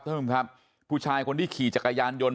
ท่านผู้ชายคนที่ขี่จักรยานยนต์